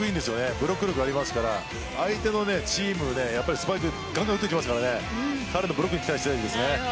ブロック力がありますから相手のチームスパイクガンガン打ってきますから彼のブロックに期待したいです。